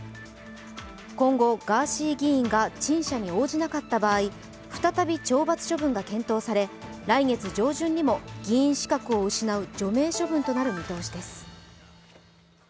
今後、ガーシー議員が陳謝に応じなかった場合、再び懲罰処分が検討され、来月上旬にも議員資格を失う除名処分となる見通しです。